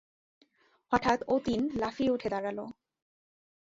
হঠাৎ অতীন লাফিয়ে উঠে দাঁড়াল।